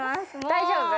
大丈夫？